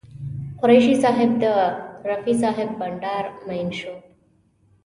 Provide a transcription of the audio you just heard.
قریشي صاحب د رفیع صاحب بانډار مین شو.